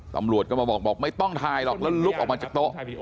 ตำรวจก็มาบอกบอกไม่ต้องถ่ายหรอกแล้วลุกออกมาจากโต๊ะ